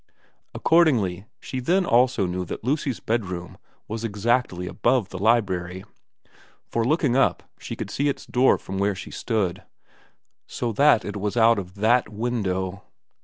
Ac cordingly she then also knew that Lucy's bedroom was exactly above the library, for looking up she could see its door from where she stood ; so that it was out of that window.